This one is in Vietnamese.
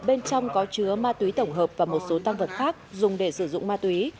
bên trong có chứa ma túy tổng hợp và một số tăng vật khác dùng để sử dụng ma túy